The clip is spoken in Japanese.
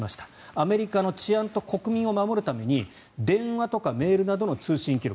アメリカの治安と国民を守るために電話とかメールなどの通信記録